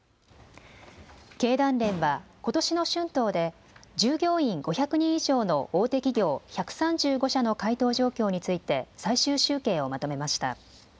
経団連はことしの春闘で従業員５００人以上の大手企業１３５社の回答状況について最終集計をまとめました。